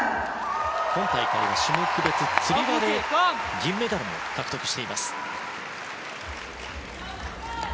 今大会は種目別のつり輪で銀メダルを獲得しています。